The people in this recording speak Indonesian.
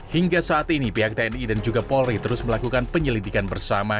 hingga saat ini pihak tni dan juga polri terus melakukan penyelidikan bersama